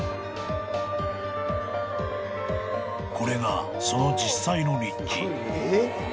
［これがその実際の日記］